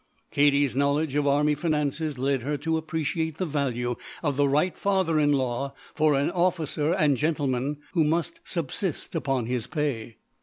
Katie's knowledge of army finances led her to appreciate the value of the right father in law for an officer and gentleman who must subsist upon his pay.